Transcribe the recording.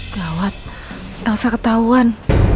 perawat elsa ketahuan